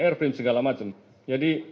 airframe segala macam jadi